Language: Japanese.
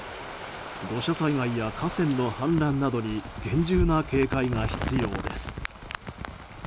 土砂災害や河川の氾濫などに厳重な警戒が必要です。